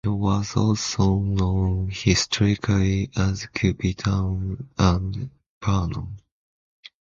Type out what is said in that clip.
It was also known historically as Cuppy Town and Vernon.